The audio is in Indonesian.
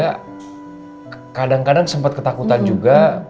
karena kadang kadang sempat ketakutan juga